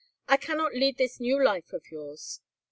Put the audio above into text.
"I cannot lead this new life of yours.